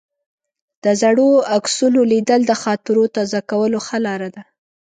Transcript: د زړو عکسونو لیدل د خاطرو تازه کولو ښه لار ده.